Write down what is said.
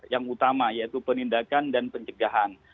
yang utama yaitu penindakan dan pencegahan